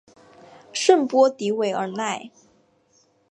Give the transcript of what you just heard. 圣波迪韦尔奈。